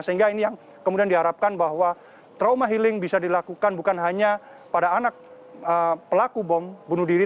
sehingga ini yang kemudian diharapkan bahwa trauma healing bisa dilakukan bukan hanya pada anak pelaku bom bunuh diri